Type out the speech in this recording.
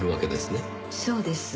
そうです。